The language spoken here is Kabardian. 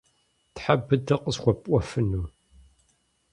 Тхьэ быдэу къысхуэпӀуэфыну?